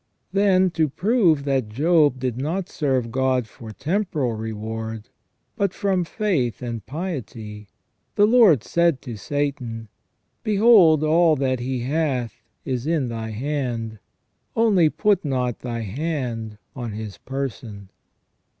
Then, to prove that Job did not serve God for temporal reward, but from faith and piety, the Lord said to Satan: "Behold all that he hath is in thy hand: only put not thy hand on his person